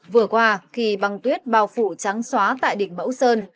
vừa qua khi băng tuyết bao phủ trắng xóa tại đỉnh mẫu sơn